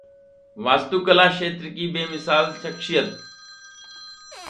वास्तुकला क्षेत्र की बेमिसाल शख्सियत